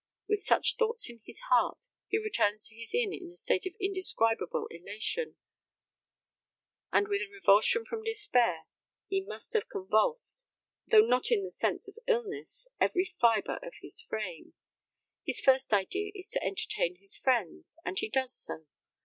With such thoughts in his heart, he returns to his inn in a state of indescribable elation, and with a revulsion from despair that must have convulsed though not in the sense of illness every fibre of his frame. His first idea is to entertain his friends, and he does so.